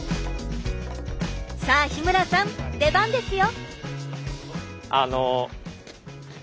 さあ日村さん出番ですよ！